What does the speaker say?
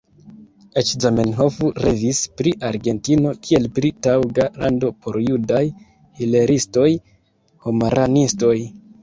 Eĉ Zamenhof revis pri Argentino, kiel pri taŭga lando por judaj hilelistoj-homaranistoj.